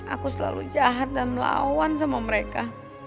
aku selalu jahat dan lawan sama mereka